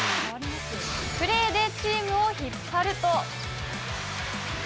プレーでチームを引っ張ると。